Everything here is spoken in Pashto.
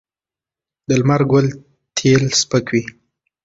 د لمر ګل تېل سپک وي.